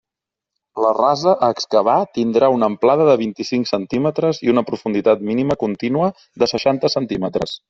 La rasa a excavar tindrà una amplada de vint-i-cinc centímetres i una profunditat mínima contínua de seixanta centímetres.